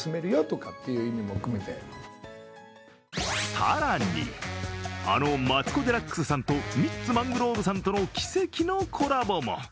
更に、あのマツコ・デラックスさんとミッツ・マングローブさんとの奇跡のコラボも。